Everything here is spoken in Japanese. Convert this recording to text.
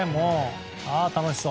楽しそう。